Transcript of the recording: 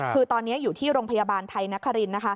คือตอนนี้อยู่ที่โรงพยาบาลไทยนคริน